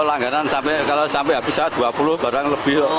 langganan sampai habis dua puluh barang lebih